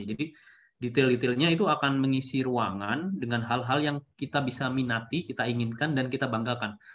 jadi detail detailnya itu akan mengisi ruangan dengan hal hal yang kita bisa minati kita inginkan dan kita banggakan